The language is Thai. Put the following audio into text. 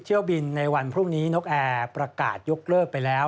เที่ยวบินในวันพรุ่งนี้นกแอร์ประกาศยกเลิกไปแล้ว